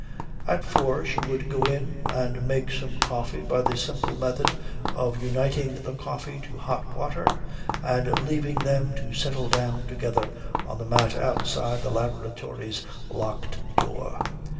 At four she would go in and make some coffee by the simple method of uniting the coffee to hot water and leaving them to settle down together on the mat outside the laboratory's locked door.